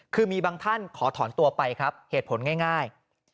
คือมีบางท่านขอถอนตัวไปครับเหตุผลง่าย